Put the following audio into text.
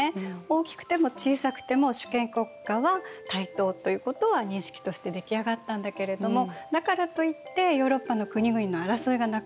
大きくても小さくても主権国家は対等ということは認識として出来上がったんだけれどもだからといってヨーロッパの国々の争いがなくなったわけではないの。